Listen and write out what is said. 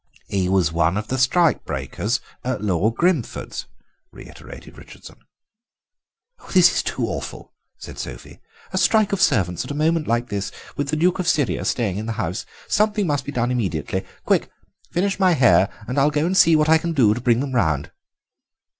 "He was one of the strike breakers at Lord Grimford's," reiterated Richardson. "This is too awful," said Sophie; "a strike of servants at a moment like this, with the Duke of Syria staying in the house. Something must be done immediately. Quick, finish my hair and I'll go and see what I can do to bring them round."